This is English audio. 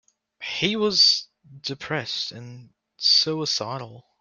He was depressed and suicidal.